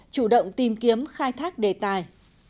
chủ động tìm kiếm khai thác đề tài